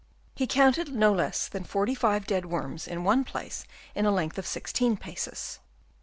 He counted no less than 45 dead worms in one place in a length of sixteen paces.